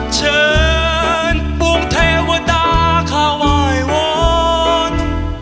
เชิญบวงเทวดาขวายวน